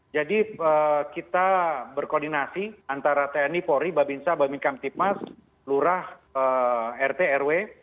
jadi kita berkoordinasi antara tni pori babinsa babinkam tipmas lurah rt rw